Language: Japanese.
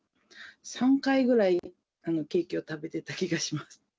３回ぐらい、ケーキを食べてた気がします。